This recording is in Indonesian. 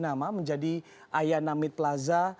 nama menjadi ayana mid plaza